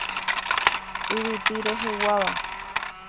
Yvyty reheguáva.